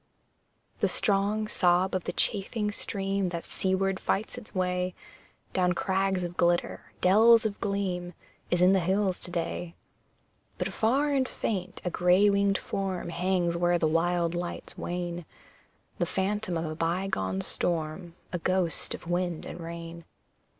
The strong sob of the chafing stream That seaward fights its way Down crags of glitter, dells of gleam, Is in the hills to day. But far and faint, a grey winged form Hangs where the wild lights wane The phantom of a bygone storm, A ghost of wind and rain.